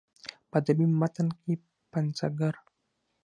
په ادبي متن کې پنځګر